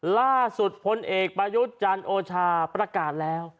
ล่าสุดพลเอกประยุจรรย์โอชาประกาศแล้ว